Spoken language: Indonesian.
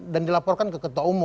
dan dilaporkan ke ketua umum